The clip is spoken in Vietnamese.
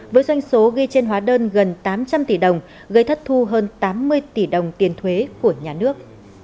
với doanh số ghi trên hóa đơn gần tám trăm linh tỷ đồng gây thất thu hơn tám mươi tỷ đồng tiền thuế của nhà nước